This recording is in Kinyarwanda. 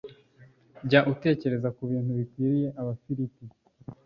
Jya utekereza ku bintu bikwiriye Abafilipi